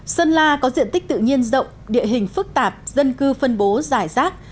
sân la có diện tích tự nhiên rộng địa hình phức tạp dân cư phân bố dài rác